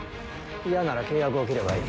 嫌なら契約を切ればいい。